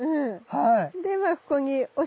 はい。